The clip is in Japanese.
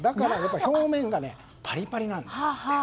表面がパリパリなんです。